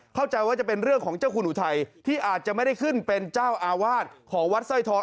เข้าใจว่าจะเป็นเรื่องของเจ้าคุณอุทัยที่อาจจะไม่ได้ขึ้นเป็นเจ้าอาวาสของวัดสร้อยท้อ